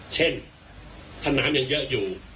เช่นถ้าน้ำยังเยอะอยู่